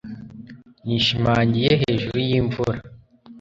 nishimangiye hejuru yimvura